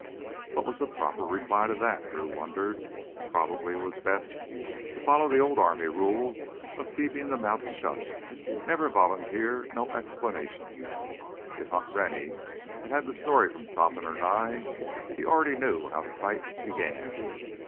What was the proper reply to that? Drew wondered. Probably it was best to follow the old army rule of keep the mouth shut, never volunteer, no explanations. If Hunt Rennie had had the story from Topham or Nye, he already knew how the fight began.